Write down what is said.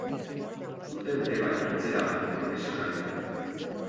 Urte bete baino ez zeraman profesionaletan.